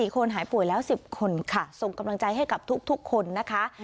๔คนหายป่วยแล้ว๑๐คนค่ะส่งกำลังใจให้กับทุกคนนะคะ